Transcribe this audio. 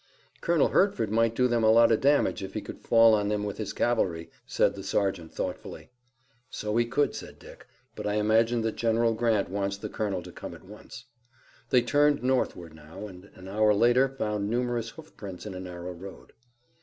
"Colonel Hertford might do them a lot of damage if he could fall on them with his cavalry," said the sergeant thoughtfully. "So he could," said Dick, "but I imagine that General Grant wants the colonel to come at once." They turned northward now and an hour later found numerous hoofprints in a narrow road.